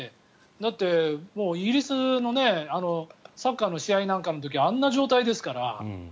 だって、イギリスのサッカーの試合なんかの時あんな状態ですよね。